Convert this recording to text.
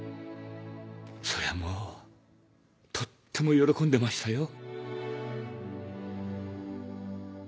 それはもうとっても喜んでましたよ。